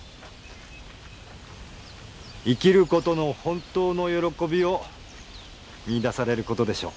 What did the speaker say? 生きる事の本当の喜びを見いだされる事でしょう。